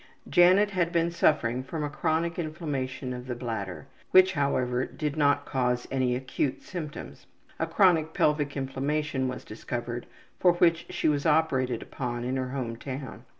Janet had been suffering from a chronic inflammation of the bladder, which, however, did not cause any acute symptoms. A chronic pelvic inflammation was discovered, for which she was operated upon in her home town.